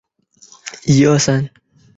他的夫人鼓励他去争取一份公共职务。